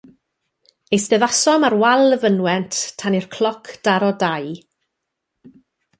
Eisteddasom ar wal y fynwent tan i'r cloc daro dau.